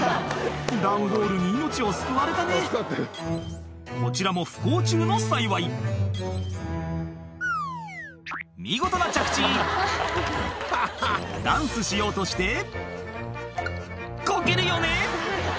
段ボールに命を救われたねこちらも不幸中の幸い見事な着地ダンスしようとしてこけるよね